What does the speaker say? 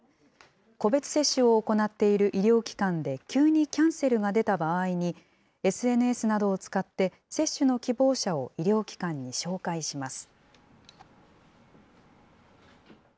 個別接種を行っている医療機関で急にキャンセルが出た場合に、ＳＮＳなどを使って、接種の希望者を医療機関に紹介します。